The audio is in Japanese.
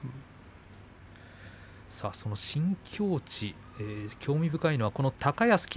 新境地興味深いのは高安の霧